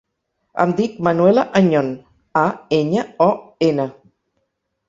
Em dic Manuela Añon: a, enya, o, ena.